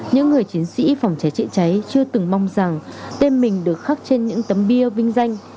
những người chiến sĩ phòng cháy chữa cháy chưa từng mong rằng tên mình được khắc trên những tấm bia vinh danh